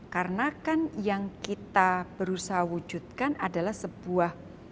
karena kan yang kita berusaha wujudkan adalah sebuah